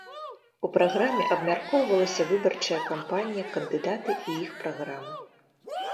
У праграме абмяркоўвалася выбарчая кампанія, кандыдаты і іх праграмы.